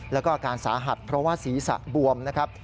แล้วก็อาการสาหัสเพราะว่าศีรษะบวมนะครับ